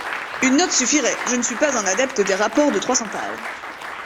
Une note suffirait – je ne suis pas un adepte des rapports de trois cents pages.